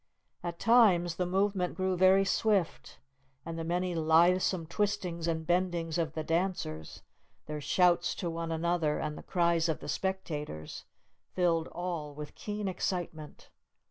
At times the movement grew very swift, and the many lithesome twistings and bendings of the dancers, their shouts to one another, and the cries of the spectators, filled all with keen excitement.